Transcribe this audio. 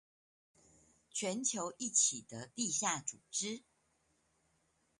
全球一起的地下組織